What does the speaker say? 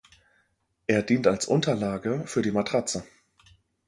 Er dient als Unterlage für die Matratze.